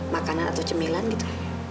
makanan atau cemilan gitu